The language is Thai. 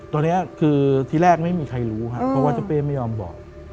ตอนนี้คือที่แรกไม่มีใครรู้ครับเพราะว่าเจ้าเป้ไม่ยอมบอก